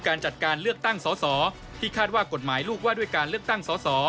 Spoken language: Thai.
การจัดการเลือกตั้งสอ